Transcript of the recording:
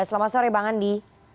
selamat sore bang andi